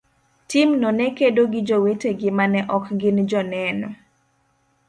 timno ne kedo gi jowetegi ma ne ok gin Joneno.